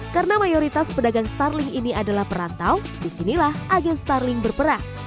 karena mayoritas pedagang starling ini adalah perantau disinilah agen starling berperang